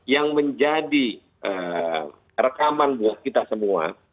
yang menjadi rekaman buat kita semua